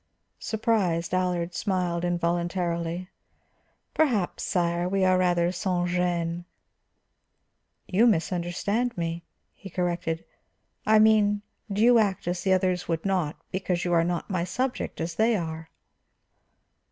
Surprised, Allard smiled involuntarily. "Perhaps, sire, we are rather sans gêne." "You misunderstand me," he corrected. "I mean, do you act as the others would not, because you are not my subject as they are?"